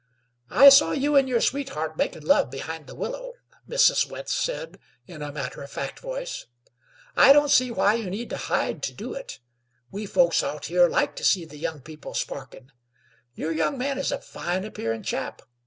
"I saw you and your sweetheart makin' love behind the willow," Mrs. Wentz said in a matter of fact voice. "I don't see why you need hide to do it. We folks out here like to see the young people sparkin'. Your young man is a fine appearin' chap.